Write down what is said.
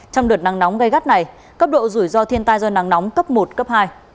trong đợt nắng nóng gây gắt này cấp độ rủi ro thiên tai do nắng nóng cấp một cấp hai